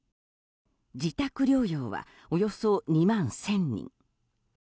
自宅療養はおよそ２万１０００人。